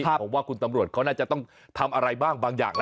ผมว่าคุณตำรวจเขาน่าจะต้องทำอะไรบ้างบางอย่างนะ